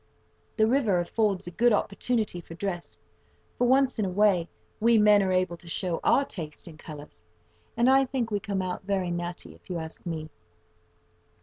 The river affords a good opportunity for dress. For once in a way, we men are able to show our taste in colours, and I think we come out very natty, if you ask me.